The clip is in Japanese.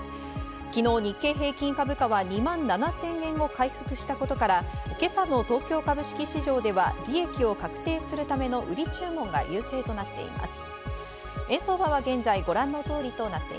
昨日、日経平均株価は２万７０００円を回復したことから、今朝の東京株式市場では利益を確定するための売り注文が優勢となっています。